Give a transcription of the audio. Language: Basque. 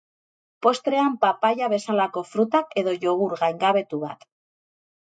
Postrean papaia bezalako frutak, edo jogurt gaingabetu bat.